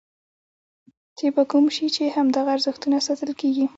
چې په کوم شي چې همدغه ارزښتونه ساتل کېږي.